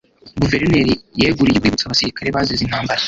guverineri yeguriye urwibutso abasirikare bazize intambara